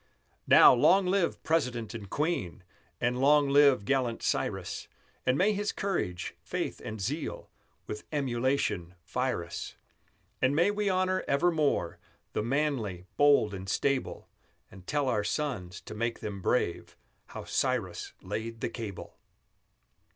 Now, long live President and Queen; And long live gallant Cyrus; And may his courage, faith, and zeal With emulation fire us; And may we honor evermore The manly, bold, and stable; And tell our sons, to make them brave, How Cyrus laid the cable!